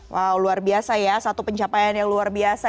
wow luar biasa ya satu pencapaian yang luar biasa